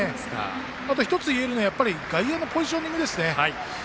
あと、１ついえるのは外野のポジショニングですね。